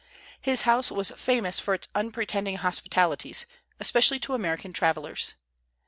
His house was famous for its unpretending hospitalities, especially to American travellers.